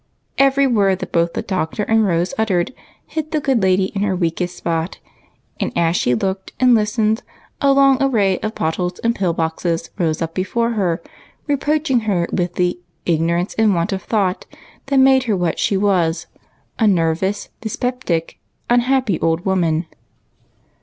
Every word both the Doctor and Rose uttered hit the good lady in her weakest spot, and as she looked and listened a long array of bottles and pill boxes rose up before her, reproaching her with the "ignorance and want of thought" that made her what she was, a nervous, dyspeptic, unhappy old woman.